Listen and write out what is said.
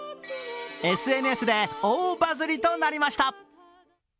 ＳＮＳで大バズりとなりました。